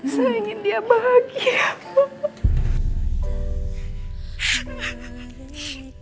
saya ingin dia bahagia